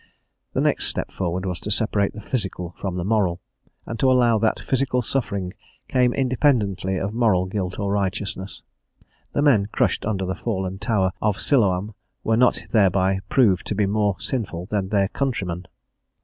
The next step forward was to separate the physical from the moral, and to allow that physical suffering came independently of moral guilt or righteousness: the men crushed under the fallen tower of Siloam were not thereby proved to be more sinful than their countrymen.